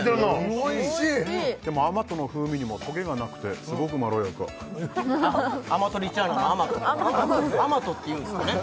おいしいでもアマトの風味にもトゲがなくてすごくまろやかアマトリチャーナのアマトアマトって言うんですかね